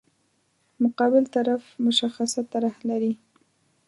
مقابل طرف مشخصه طرح لري.